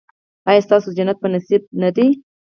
ایا ستاسو جنت په نصیب نه دی؟